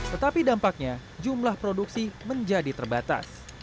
tetapi dampaknya jumlah produksi menjadi terbatas